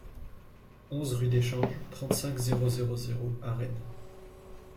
onze rue d'Échange, trente-cinq, zéro zéro zéro à Rennes